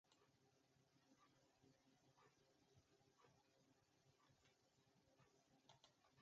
The western areas also receive more rainfall than the eastern ones by per year.